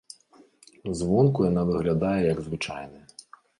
Звонку яна выглядае як звычайная.